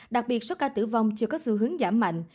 đặc biệt số ca tử vong chưa có xu hướng giảm mạnh